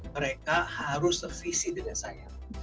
mereka harus se visi dengan saya